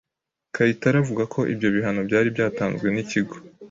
Kayitare avuga ko ibyo bihano byari byatanzwe n’ikigo